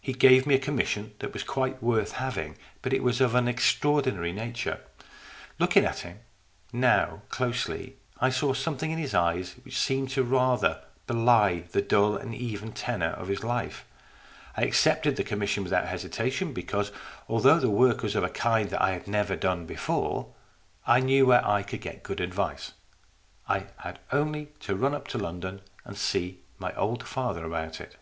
He gave me a com mission that was quite worth having, but it was of an extraordinary character. Looking at him now closely, I saw something in his eyes which seemed rather to belie the dull and even tenor of his life. I accepted the commission without hesitation, because, although the work was of a kind that I had never done before, I knew where I could get good advice. I had only to run up to London and see my old father about it.